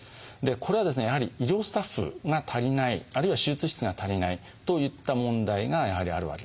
これはですねやはり医療スタッフが足りないあるいは手術室が足りないといった問題がやはりあるわけですね。